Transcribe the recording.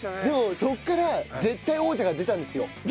でもそこから絶対王者が出たんですよ。